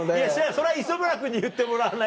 それは磯村君に言ってもらわないと。